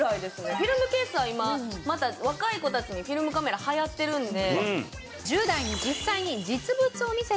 フィルムケースは今また若い子たちにフィルムカメラ流行ってるので。